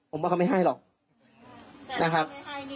ผมว่าเขาไม่ให้หรอกนะครับ